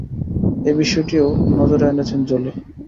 এই বিষয়টিও নজরে এনেছেন জোলি।